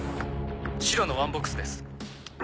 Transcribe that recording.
白のワンボックスです。